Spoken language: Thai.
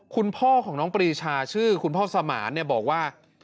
คุณพ่อของน้องปรีชาชื่อคุณพ่อสมานบอกว่า